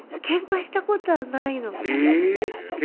けんかしたことがないの。